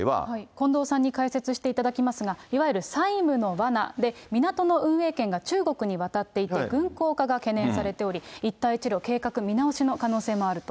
近藤さんに解説していただきますが、いわゆる債務のわなで、港の運営権が中国に渡っていて、軍港化が懸念されており、一帯一路、計画見直しの可能性もあると。